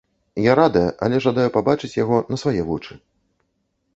Я радая, але жадаю пабачыць яго на свае вочы.